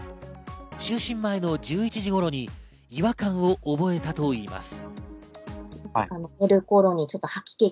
就寝前の１１時頃に違和感を覚えたといいます。